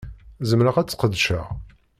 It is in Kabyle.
Zemreɣ ad tt-sqedceɣ?